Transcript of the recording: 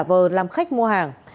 vờ làm khách mua hàng